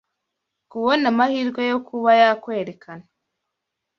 kubona amahirwe yo kuba yakwerekana